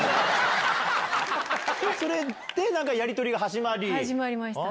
それでやり取りが始まり？始まりました。